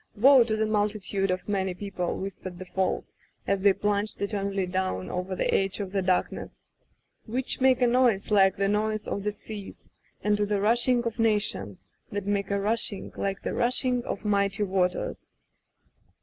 ^^Woe to the multitude of many people^^ whispered the Falls, as they plunged eter nally down over the edge of the darkness, ^^ which make a noise like the noise of the seas; and to the rushing of nations y that make a rushing like the rushing of mighty waters!